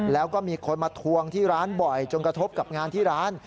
แล้วก็มีคนมาทวงที่ร้านบ่อยจนกระทบกับงานที่ร้าน